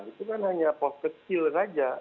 itu kan hanya pos kecil saja